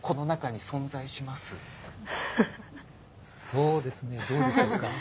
そうですねどうでしょうか？